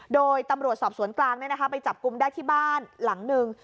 โดยตำรวจสอบสวนกลางไปจับกลุ่มได้ที่บ้านหลังหนึ่ง